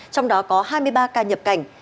trong đó có hai mươi ba ca nhập cảnh